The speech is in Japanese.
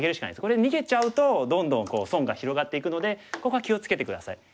これ逃げちゃうとどんどん損が広がっていくのでここは気を付けて下さい。